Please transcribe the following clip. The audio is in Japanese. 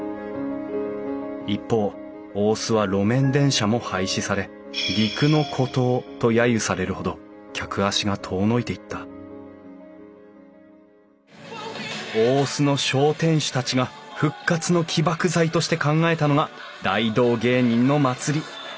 一方大須は路面電車も廃止され陸の孤島とやゆされるほど客足が遠のいていった大須の商店主たちが復活の起爆剤として考えたのが大道芸人の祭り。